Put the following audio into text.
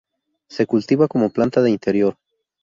Se cultiva como planta de interior.